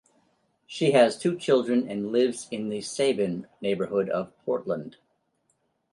She has two children and lives in the Sabin neighborhood of Portland.